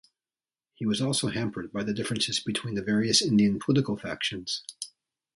He was also hampered by the differences between the various Indian political factions.